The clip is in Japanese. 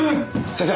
先生！